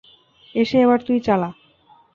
এসে এবার তুই চালা।